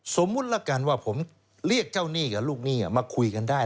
สมมุติละกันว่าผมเรียกเจ้าหนี้กับลูกหนี้มาคุยกันได้